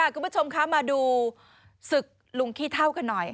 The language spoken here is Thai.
คุณผู้ชมคะมาดูศึกลุงขี้เท่ากันหน่อย